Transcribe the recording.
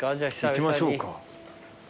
行きましょうか。